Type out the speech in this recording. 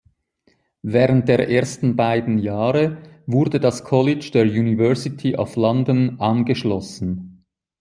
Während der ersten beiden Jahre wurde das College der University of London angeschlossen.